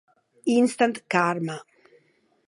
Instant Karma